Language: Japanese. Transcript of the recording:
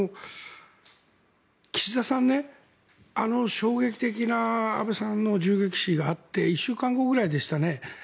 岸田さん、あの衝撃的な安倍さんの銃撃死があって１週間後くらいでしたね。